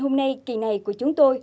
hôm nay kỳ này của chúng tôi